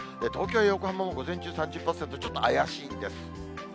東京や横浜も午前中３０％、ちょっと怪しいんです。